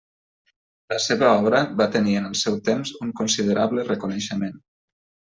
La seva obra va tenir en el seu temps un considerable reconeixement.